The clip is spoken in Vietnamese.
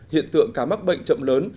hiện tượng cá mắc bệnh chậm lớn